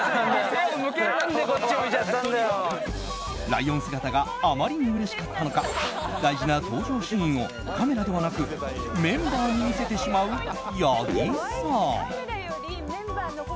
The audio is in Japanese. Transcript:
ライオン姿があまりにうれしかったのか大事な登場シーンをカメラではなくメンバーに見せてしまう八木さん。